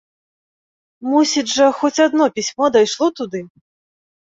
Мусіць жа, хоць адно пісьмо дайшло туды!